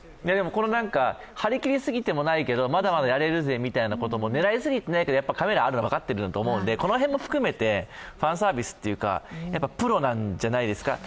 この張り切りすぎてもないけど、まだまだやれるぜみたいな狙いすぎてないけど、カメラあるのは分かってると思うのでこの辺も含めてファンサービスというか、プロなんじゃないですか。